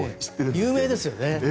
有名ですよね。